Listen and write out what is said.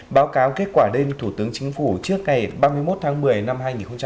báo cáo kết quả đêm thủ tướng chính phủ trước ngày ba mươi một tháng một mươi năm hai nghìn một mươi chín